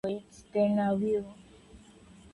If you don't want to pay for it then I will.